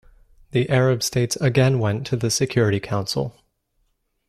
The Arab states again went to the Security Council.